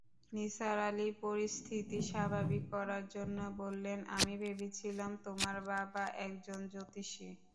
নিসার আলি পরিস্থিতি স্বাভাবিক করার জন্যে বললেন, আমি ভেবেছিলাম তোমার বাবা একজন জ্যোতিষী।